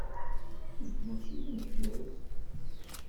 Nekk mačči d argaz!